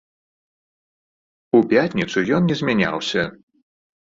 У пятніцу ён не змяняўся.